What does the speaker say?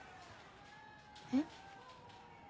えっ？